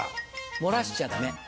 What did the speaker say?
漏らしちゃダメ。